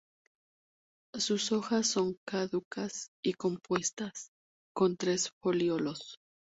Sus hojas son caducas y compuestas; con tres folíolos.